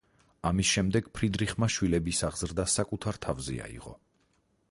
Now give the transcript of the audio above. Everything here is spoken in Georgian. ამის შემდეგ ფრიდრიხმა შვილების აღზრდა საკუთარ თავზე აიღო.